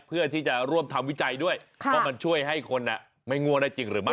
เพื่อที่จะร่วมทำวิจัยด้วยว่ามันช่วยให้คนไม่ง่วงได้จริงหรือไม่